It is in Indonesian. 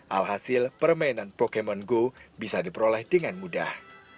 alhasil permainan pokemon go bisa diperoleh dengan mudah